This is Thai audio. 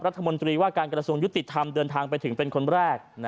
รัฐมนตรีว่าการกระทรวงยุติธรรมเดินทางไปถึงเป็นคนแรก